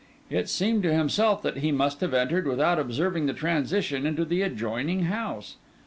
It seemed to himself that he must have entered, without observing the transition, into the adjoining house.